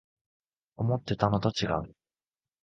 思ってたのとちがう